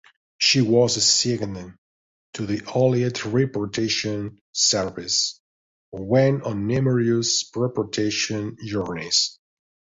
She was assigned to the Allied Repatriation Service and went on numerous repatriation journeys.